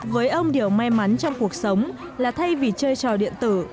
với ông điều may mắn trong cuộc sống là thay vì chơi trò điện tử